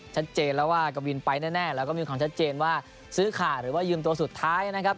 ชัดเจนแล้วว่ากวินไปแน่แล้วก็มีความชัดเจนว่าซื้อขาดหรือว่ายืมตัวสุดท้ายนะครับ